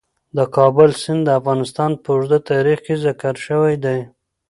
د کابل سیند د افغانستان په اوږده تاریخ کې ذکر شوی دی.